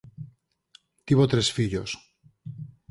Tivo tres fillos.